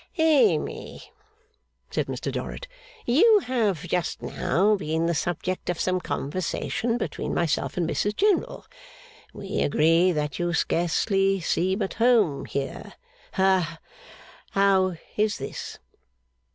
'Amy,' said Mr Dorrit, 'you have just now been the subject of some conversation between myself and Mrs General. We agree that you scarcely seem at home here. Ha how is this?